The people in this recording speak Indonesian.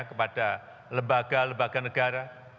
kepada lembaga lembaga negara